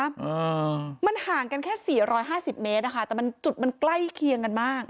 อ่ามันห่างกันแค่สี่ร้อยห้าสิบเมตรอ่ะค่ะแต่มันจุดมันใกล้เคียงกันมาก